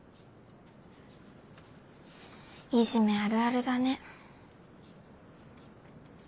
いじめあるあるだね。